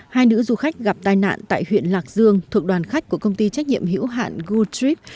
hai nữ du khách gặp tai nạn tại huyện lạc dương thuộc đoàn khách của công ty trách nhiệm hữu hạn good trip